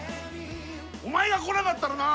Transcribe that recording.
お前が来なかったらな